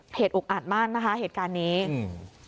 อุกอัดมากนะคะเหตุการณ์นี้อืม